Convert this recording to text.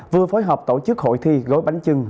vừa phối hợp tổ chức hội thi gối bánh chưng